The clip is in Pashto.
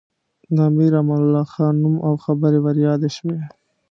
د امیر امان الله خان نوم او خبرې ور یادې شوې.